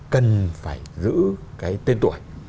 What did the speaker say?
cần phải giữ cái tên tuổi